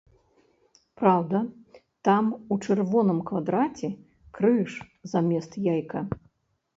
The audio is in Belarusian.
Праўда, там у чырвоным квадраце крыж замест яйка.